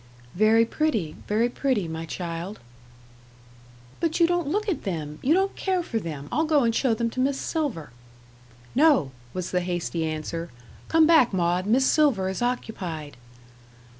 "Very pretty, very pretty, my child." "But you don't look at them you don't care for them I'll go and show them to Miss Silver." "No," was the hasty answer. "Come back, Maud Miss Silver is occupied."